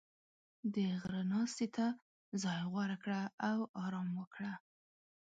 • د غره ناستې ته ځای غوره کړه او آرام وکړه.